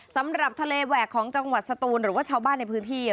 สำหรับทะเลแหวกของจังหวัดสตูนหรือว่าชาวบ้านในพื้นที่